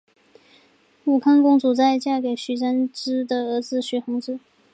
武康公主在嫁给了徐湛之的儿子徐恒之。